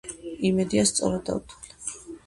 იმედია სწორად დავთვალე.